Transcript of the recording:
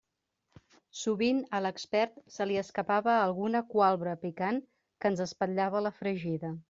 Sovint a l'expert se li escapava alguna cualbra picant que ens espatllava la fregida.